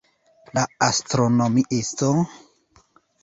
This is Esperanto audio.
La astronomiisto?